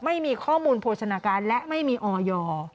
ไม่มีข้อมูลโภชนาการและไม่มีออย